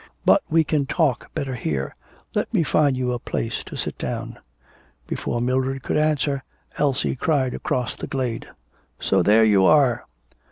But we can talk better here. Let me find you a place to sit down.' Before Mildred could answer, Elsie cried across the glade: 'So there you are.'